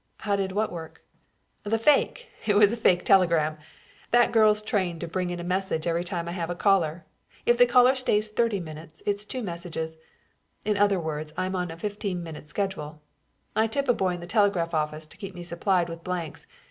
"How did what work?" "The fake. It was a fake telegram. That girl's trained to bring in a message every time I have a caller. If the caller stays thirty minutes, it's two messages, in other words I'm on a fifteen minute schedule. I tip a boy in the telegraph office to keep me supplied with blanks.